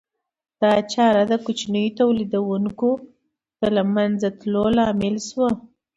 دا چاره د کوچنیو تولیدونکو د له منځه تلو لامل شوه